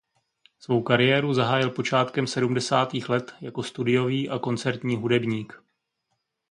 Svou kariéru zahájil počátkem sedmdesátých let jako studiový a koncertní hudebník.